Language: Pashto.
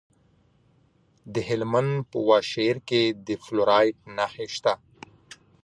د هلمند په واشیر کې د فلورایټ نښې شته.